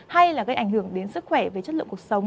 hay là gây ảnh hưởng đến sức khỏe về chất lượng cuộc sống